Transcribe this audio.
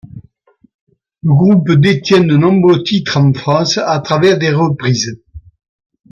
Le groupe détient de nombreux titres en France à travers des reprises.